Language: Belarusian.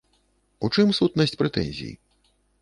У чым сутнасць прэтэнзій?